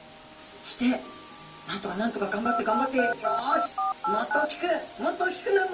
そしてなんとかなんとか頑張って頑張ってよしもっと大きくもっと大きくなるぞ。